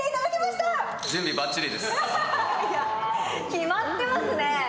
決まってますね。